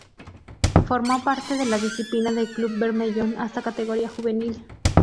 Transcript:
Formó parte de la disciplina del Club Bermellón hasta categoría juvenil.